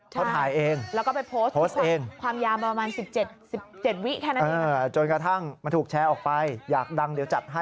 เขาถ่ายเองโพสต์เองจนกระทั่งมันถูกแชร์ออกไปอยากดังเดี๋ยวจัดให้